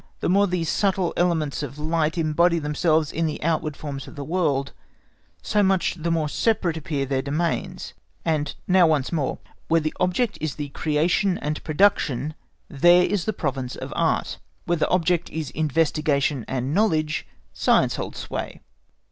The more these subtle elements of light embody themselves in the outward forms of the world, so much the more separate appear their domains; and now once more, where the object is creation and production, there is the province of Art; where the object is investigation and knowledge Science holds sway.